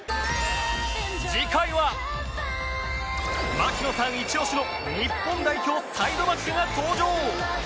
槙野さんイチオシの日本代表サイドバックが登場！